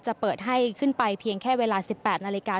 เปิดให้ขึ้นไปเพียงแค่เวลา๑๘นาฬิกา